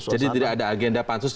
jadi tidak ada agenda pansus